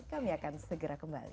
kami akan segera kembali